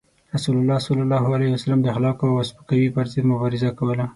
رسول الله صلى الله عليه وسلم د اخلاقو او سپکاوي پر ضد مبارزه کوله.